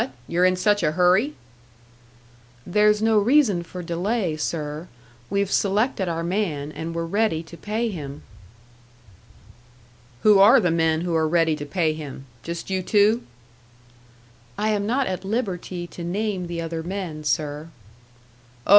You're in such a hurry?" "There's no reason for delay, sir. We've selected our man, and we're ready to pay him." "Who are the men who are ready to pay him? Just you two" "I am not at liberty to name the other men, sir." "Oh!